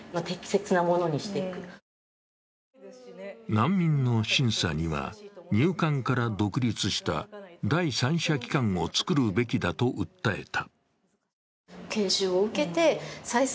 難民の審査には入管から独立した第三者機関を作るべきだと訴えた。